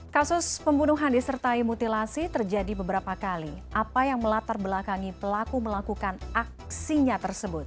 kasus pembunuhan disertai mutilasi terjadi beberapa kali apa yang melatar belakangi pelaku melakukan aksinya tersebut